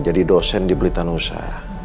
jadi dosen di belitanusa